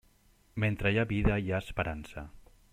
Mentre hi ha vida, hi ha esperança.